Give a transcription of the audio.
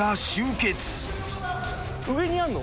上にあるの？